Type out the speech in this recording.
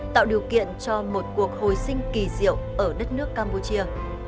tạo điều kiện cho một cuộc hồi sinh kỳ diệu ở đất nước campuchia